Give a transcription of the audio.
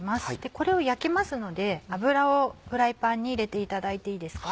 これを焼きますので油をフライパンに入れていただいていいですか。